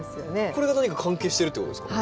これが何か関係してるってことですか？